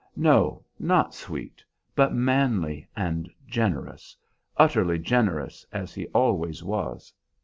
No, not sweet, but manly and generous, utterly generous, as he always was.